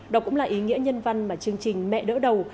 đó cũng là ý nghĩa nhân văn mà chương trình mẹ đỡ đầu